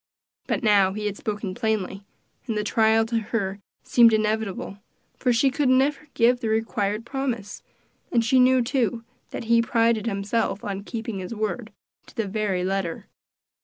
But now he had spoken plainly, and the trial to her seemed inevitable, for she could never give the required promise, and she knew, too, that he prided himself on keeping his word, to the very letter.